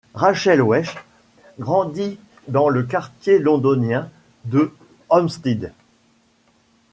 Rachel Weisz grandit dans le quartier londonien de Hampstead.